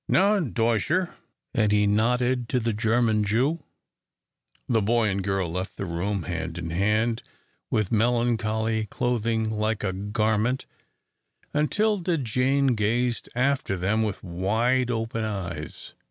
"Now, Deutscher," and he nodded to the German Jew. The boy and girl left the room, hand in hand, with melancholy clothing them like a garment, and 'Tilda Jane gazed after them with wide open eyes.